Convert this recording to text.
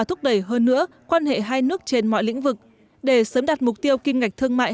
thúc đẩy hơn nữa quan hệ hai nước trên mọi lĩnh vực để sớm đạt mục tiêu kim ngạch thương mại